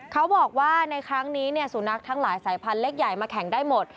เขาบอกว่าในครั้งนี้สุนัขทั้งหลายสายพันธุเล็กใหญ่มาแข่งได้หมด